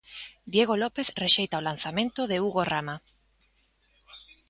Diego López rexeita o lanzamento de Hugo Rama.